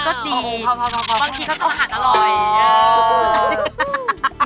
บางทีก็สะหัสอร่อย